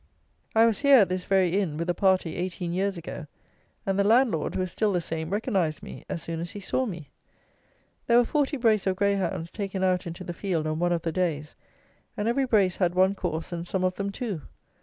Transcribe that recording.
I was here, at this very inn, with a party eighteen years ago; and the landlord, who is still the same, recognized me as soon as he saw me. There were forty brace of greyhounds taken out into the field on one of the days, and every brace had one course, and some of them two.